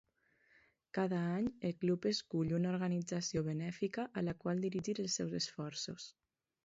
Cada any, el club escull una organització benèfica a la qual dirigir els seus esforços.